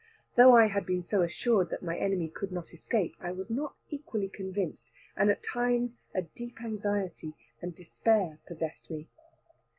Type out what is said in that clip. Though I had been so assured that my enemy could not escape, I was not equally convinced, and at times a deep anxiety and despair possessed me.